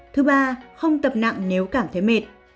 thứ ba không tập nặng nếu cảm thấy mệt